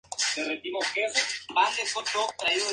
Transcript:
Lodículas glabras.